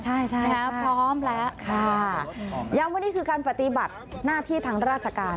ใช่ใช่นะฮะพร้อมแล้วค่ะย้ำว่านี่คือการปฏิบัติหน้าที่ทางราชการ